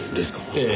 ええ。